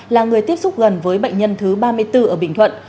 là người tiếp xúc gần với bệnh nhân thứ ba mươi bốn ở bình thuận